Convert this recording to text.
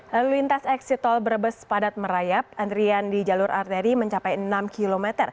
lalu lintas eksit tol brebes padat merayap antrian di jalur arteri mencapai enam km